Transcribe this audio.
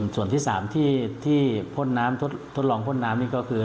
ส่วนที่๓ที่ทดลองพ่นน้ำนี่ก็คือ